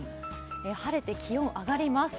晴れて気温、上がります。